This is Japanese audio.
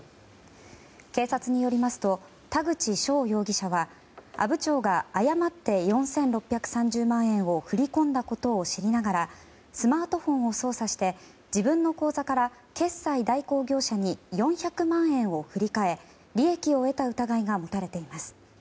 警察によりますと田口翔容疑者は阿武町が誤って４６３０万円を振り込んだことを知りながらスマートフォンを操作して自分の口座から決済代行業者に４００万円を振り替え利益を得た疑いが持たれています。